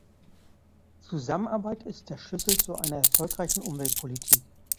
Zusammenarbeit ist der Schlüssel zu einer erfolgreichen Umweltpolitik.